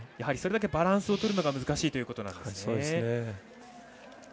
それだけバランスをとるのが難しいということですね。